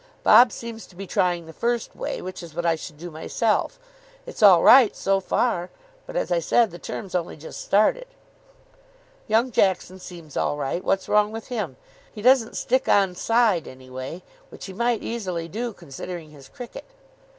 Bob seems to be trying the first way, which is what I should do myself. It's all right, so far, but, as I said, the term's only just started." "Young Jackson seems all right. What's wrong with him? He doesn't stick on side any way, which he might easily do, considering his cricket."